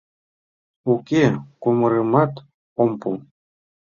Уке, кумырымат ом пу.